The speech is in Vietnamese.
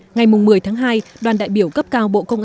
ngày một mươi tháng hai đoàn đại biểu cấp cao bộ công an